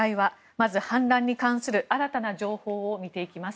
まず反乱に関する新たな情報を見ていきます。